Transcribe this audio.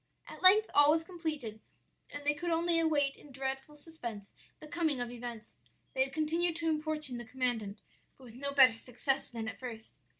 "At length all was completed, and they could only await in dreadful suspense the coming of events. They had continued to importune the commandant, but with no better success than at first.